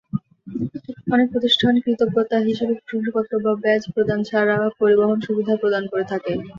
অনেক প্রতিষ্ঠান কৃতজ্ঞতা হিসাবে প্রশংসাপত্র বা ব্যাজ প্রদান ছাড়া পরিবহন সুবিধা প্রদান করে থাকে।